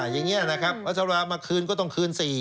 อย่างนี้นะครับพัชรามาคืนก็ต้องคืน๔